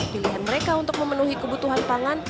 pilihan mereka untuk memenuhi kebutuhan pangan